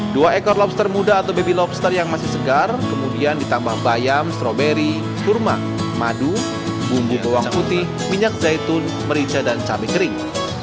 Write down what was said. dua ekor lobster muda atau baby lobster yang masih segar kemudian ditambah bayam stroberi kurma madu bumbu bawang putih minyak zaitun merica dan cabai kering